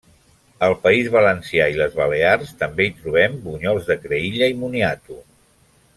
Al País Valencià i les Balears també hi trobem bunyols de creïlla i moniato.